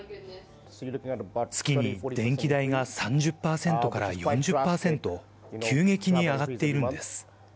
月に電気代が３０％から４０％、急激に上がっているんです。